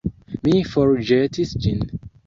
Mi forĵetis ĝin...